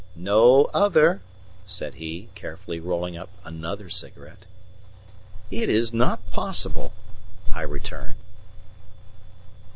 "No other," said he, carefully rolling up another cigarette. "It is not possible!" I returned.